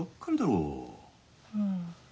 うん。